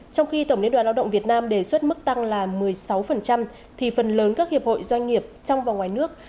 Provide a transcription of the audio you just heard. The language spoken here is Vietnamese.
trong khi tổng liên đoàn lao động việt nam đề xuất mức tăng là một mươi sáu thì phần lớn các hiệp hội doanh nghiệp trong và ngoài nước